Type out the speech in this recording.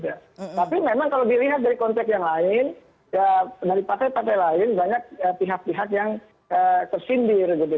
tapi memang kalau dilihat dari konteks yang lain ya dari partai partai lain banyak pihak pihak yang tersindir gitu